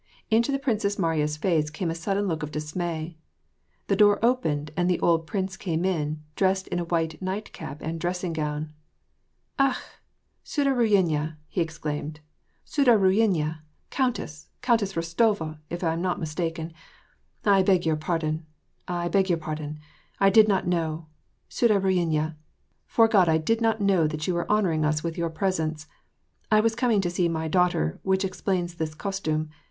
Into the Princess Mariya's face came a sudden look of dismay. The door opened, and the old prince came in, dressed in a white night^p and dressing gown. "Akh! stiddruini/a" he exclaimed; ^^ suddruin^/a, countess — Countess Rostova, if I am not mistaken — I beg your par don, I beg your pardon. — I did not know, svdaruinya, 'fore Grod I did not know that you were honoring us with your pres ence. I was coming to see my daughter, which explains this costume.